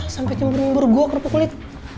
sampai nyembur nyembur gue kerupuk kulit